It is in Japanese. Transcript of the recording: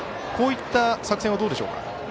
こういった作戦はどうでしょうか。